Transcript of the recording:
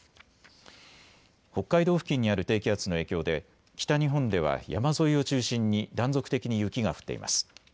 北海道付近にある低気圧の影響で北日本では山沿いを中心に断続的に雪が降っています。